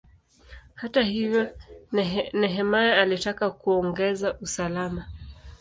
Hata hivyo, Nehemia alitaka kuongeza usalama.